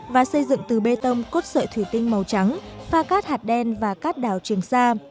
và xây dựng từ bê tông cốt sợi thủy tinh màu trắng pha cát hạt đen và cát đảo trường sa